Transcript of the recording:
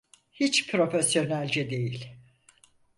Hiç profesyonelce değil.